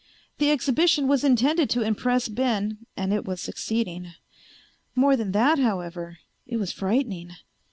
The exhibition was intended to impress Ben and it was succeeding. More than that, however, it was frightening.